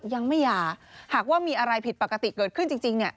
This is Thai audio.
ยังไม่ยาหากว่ามีอะไรผิดปกติเกิดขึ้นจริงเนี่ย